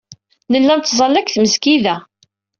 Nella nettẓalla deg tmesgida.